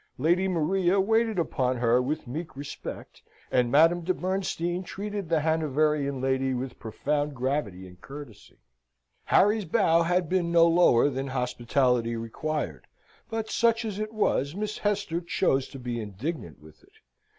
Lady Maria waited upon her with meek respect, and Madame de Bernstein treated the Hanoverian lady with profound gravity and courtesy. Harry's bow had been no lower than hospitality required; but, such as it was, Miss Hester chose to be indignant with it.